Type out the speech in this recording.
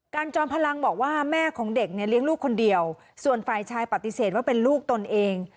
จอมพลังบอกว่าแม่ของเด็กเนี่ยเลี้ยงลูกคนเดียวส่วนฝ่ายชายปฏิเสธว่าเป็นลูกตนเอง